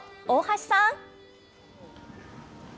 大橋さん。